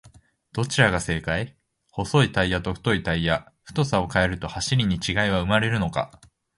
どちらが正解!?細いタイヤと太いタイヤ、太さを変えると走りに違いは生まれるのか？